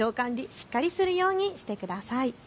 しっかりするようにしてください。